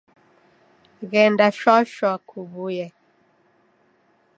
Ghenda shwa shwa kuwuye